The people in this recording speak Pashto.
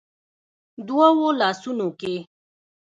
دوو لاسونو کې